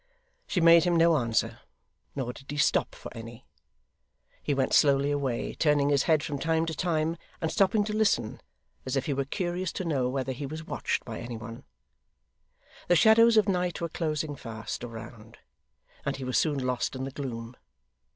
She made him no answer, nor did he stop for any. He went slowly away, turning his head from time to time, and stopping to listen, as if he were curious to know whether he was watched by any one. The shadows of night were closing fast around, and he was soon lost in the gloom.